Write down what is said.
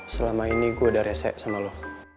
selama ini gue udah rese sama lo